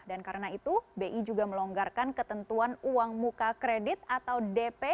karena itu bi juga melonggarkan ketentuan uang muka kredit atau dp